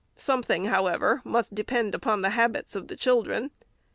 Something, however, must depend upon the habits of the children.